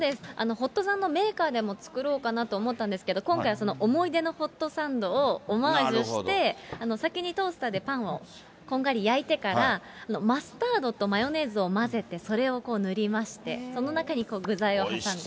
ホットサンドメーカーでも作ろうかなと思ったんですけど、今回、その思い出のホットサンドをオマージュして、先にトースターでパンをこんがり焼いてから、マスタードとマヨネーズを混ぜて、それを塗りまして、その中に具材を挟んで。